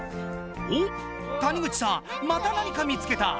おっ谷口さんまた何か見つけた。